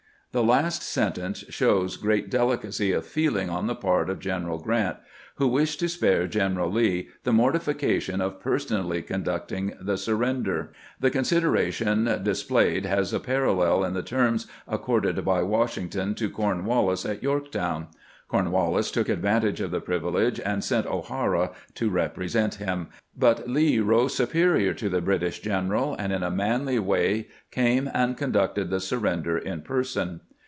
The last sentence shows great delicacy of feeling on the part of Greneral Grant, who wished to spare General Lee the mortification of personally conducting the sur render. The consideration displayed has a parallel in the terms accorded by Washington to Cornwallis at Torktown. Cornwallis took advantage of the privilege, and sent O'Hara to represent him ; but Lee rose superior to the British general, and in a manly way came and conducted the surrender in person.